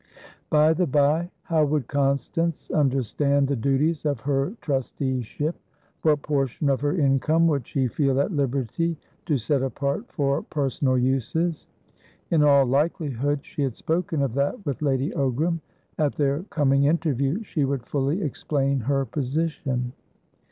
By the bye, how would Constance understand the duties of her trusteeship? What portion of her income would she feel at liberty to set apart for personal uses? In all likelihood, she had spoken of that with Lady Ogram; at their coming interview, she would fully explain her position.